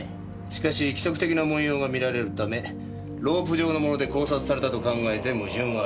しかし規則的な文様が見られるためロープ状のもので絞殺されたと考えて矛盾はない。